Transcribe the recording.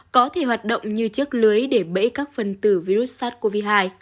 có thể hoạt động như chiếc lưới để bẫy các phần tử virus sars cov hai